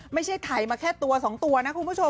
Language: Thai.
ไม่ใช่ไถ่มาแค่๒ตัวนะคุณผู้ชม